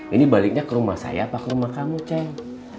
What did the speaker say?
ini baliknya ke rumah saya apa ke rumah kamu ceng